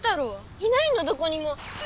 いないのどこにも。